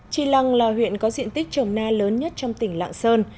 trì lăng là huyện có diện tích trồng na lớn nhất trong tỉnh lạng sơn